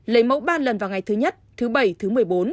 lấy mẫu ba lần vào ngày thứ nhất thứ bảy thứ một mươi bốn